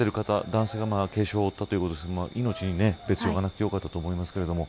男性が軽傷を負ったということですが命に別条はなくてよかったと思います。